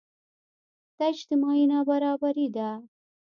دا اجتماعي نابرابري ده.